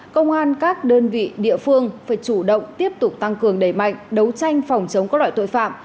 công an các đơn vị địa phương phải chủ động tiếp tục tăng cường đẩy mạnh đấu tranh phòng chống các loại tội phạm